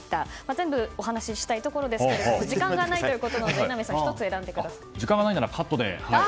全部お話ししたいところですが時間がないということなので時間がないならカットで。